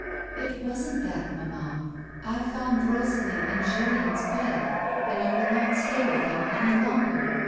"It wasn't that, mamma. I found Rosalie in Julien's bed, and I will not stay with him any longer.